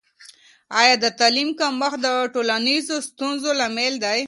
آیا د تعلیم کمښت د ټولنیزو ستونزو لامل دی؟